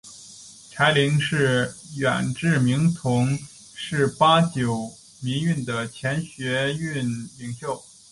柴玲与远志明同是八九民运的前学运领袖。